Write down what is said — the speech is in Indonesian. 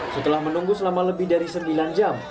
setelah menunggu selama lebih dari sembilan jam